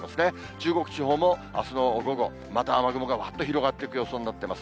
中国地方もあすの午後、また雨雲がわっと広がっていく予想になっています。